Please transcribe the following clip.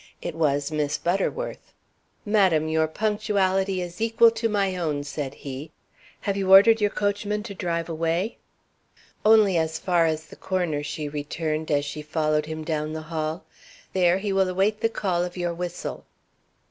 It was Miss Butterworth. "Madam, your punctuality is equal to my own," said he. "Have you ordered your coachman to drive away?" "Only as far as the corner," she returned, as she followed him down the hall. "There he will await the call of your whistle."